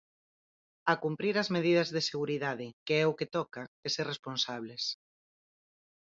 A cumprir as medidas de seguridade, que é o que toca, e ser responsables.